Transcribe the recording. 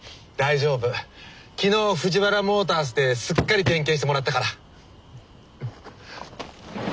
昨日藤原モータースですっかり点検してもらったから。